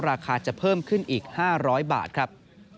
ราคาจะเพิ่มขึ้นอีก๕๐๐บาทครับ